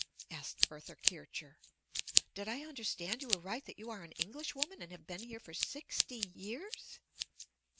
asked Bertha Kircher. "Did I understand you aright that you are an English woman and have been here for sixty years?"